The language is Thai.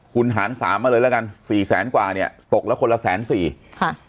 คุณหารสามมาเลยแล้วกันสี่แสนกว่าเนี่ยตกละคนละแสนสี่ค่ะ